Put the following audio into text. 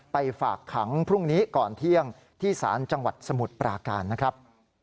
ฝากขังพรุ่งนี้ก่อนเที่ยงที่ศาลจังหวัดสมุทรปราการนะครับ